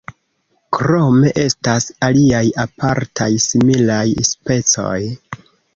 Krome estas aliaj apartaj similaj specoj.